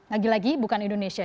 lagi lagi bukan indonesia